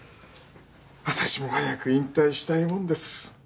私も早く引退したいものです。